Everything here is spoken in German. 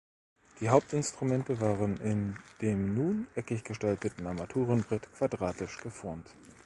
Die Hauptinstrumente waren in dem nun eckig gestalteten Armaturenbrett quadratisch geformt.